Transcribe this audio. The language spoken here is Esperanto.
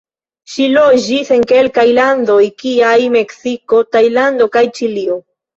Ŝi loĝis en kelkaj landoj, kiaj Meksiko, Tajlando kaj Ĉilio.